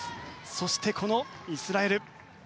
そして、このイスラエル。